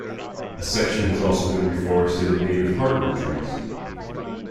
A section has also been reforested in native hardwood trees.